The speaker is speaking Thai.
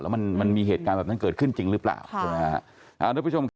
แล้วมันมีเหตุการณ์แบบนั้นเกิดขึ้นจริงหรือเปล่า